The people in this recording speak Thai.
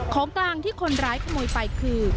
ของกลางที่คนร้ายขโมยไปคือ